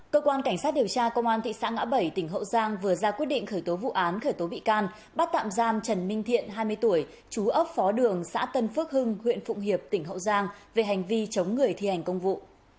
cơ quan cảnh sát điều tra công an thị xã ngã bảy tỉnh hậu giang vừa ra quyết định khởi tố vụ án khởi tố bị can bắt tạm giam trần minh thiện hai mươi tuổi chú ấp phó đường xã tân phước hưng huyện phụng hiệp tỉnh hậu giang về hành vi chống người thi hành công vụ